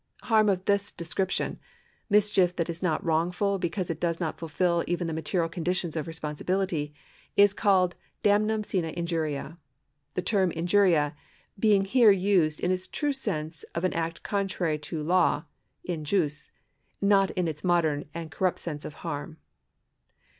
Harm of this description — mischief that is not wrongful because it does not fulfil even the material conditions of responsibilitj^ — is called damnum sine injuria, the term injuria being here used in its true sense of an act contrary to law {in jus), not in its modern and corrupt sense of harm.